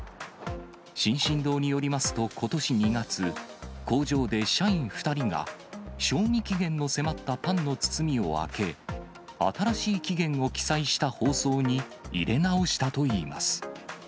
進々堂によりますと、ことし２月、工場で社員２人が賞味期限の迫ったパンの包みを開け、新しい期限を記載した包装に入れ直したといいます。